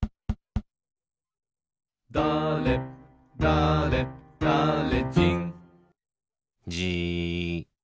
「だれだれだれじん」じーっ。